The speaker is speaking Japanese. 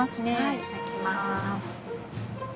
いただきます。